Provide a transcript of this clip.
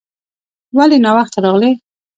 ولې ناوخته راغلې ؟